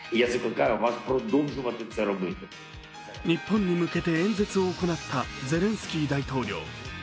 日本に向けて演説を行ったゼレンスキー大統領。